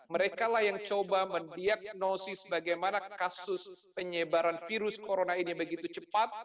mereka lah yang coba mendiagnosis bagaimana kasus penyebaran virus corona ini begitu cepat